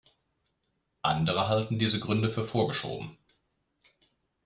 Andere halten diese Gründe für vorgeschoben.